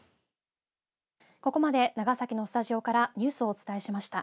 ここまで長崎のスタジオからニュースをお伝えしました。